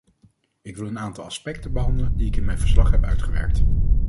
Ik wil een aantal aspecten behandelen die ik in mijn verslag heb uitgewerkt.